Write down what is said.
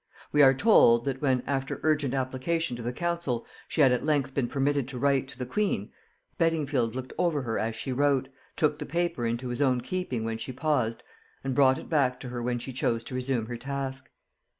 We are told, that when, after urgent application to the council, she had at length been permitted to write to the queen, Beddingfield looked over her as she wrote, took the paper into his own keeping when she paused, and brought it back to her when she chose to resume her task.